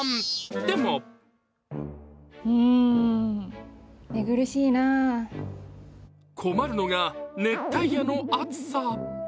でも困るのが熱帯夜の暑さ。